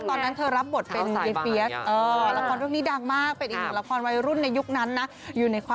ตอนนั้นเธอรับบทเป็นก